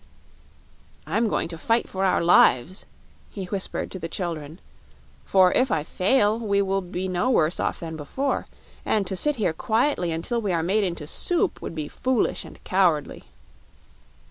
"I'm going to fight for our lives," he whispered to the children, "for if I fail we will be no worse off than before, and to sit here quietly until we are made into soup would be foolish and cowardly."